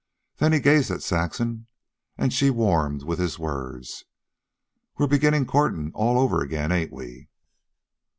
Then he gazed at Saxon, and she warmed with his words. "We're beginnin' courtin' all over again, ain't we?"